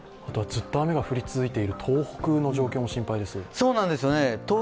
ずっと雨が降り続いている東北の状況も心配です。